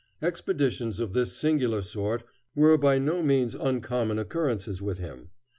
Expeditions of this singular sort were by no means uncommon occurrences with him.